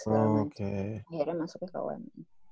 akhirnya masuk ke umn